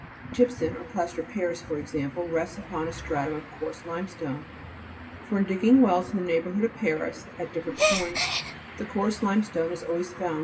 Gypsum, or plaster of paris, for example, rests upon a stratum of coarse limestone, for, in digging wells in the neighbourhood of Paris, at different points, the coarse limestone is always found below the plaster.